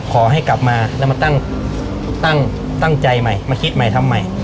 ขอให้กลับมาแล้วมาตั้งตั้งใจใหม่มาคิดใหม่ทำใหม่